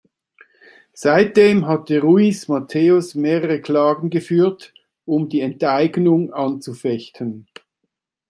Seitdem hatte Ruiz Mateos mehrere Klagen geführt, um die Enteignung anzufechten.